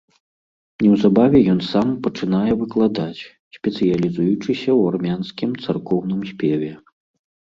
Неўзабаве ён сам пачынае выкладаць, спецыялізуючыся ў армянскім царкоўным спеве.